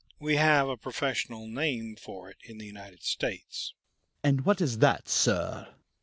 We have a professional name for it in the United States." "And what is that, sir?"